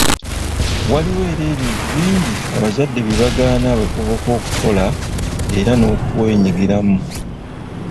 Waliwo era ebintu bingi abazadde bye bagaana abavubuka okukola era n'okwenyigiramu.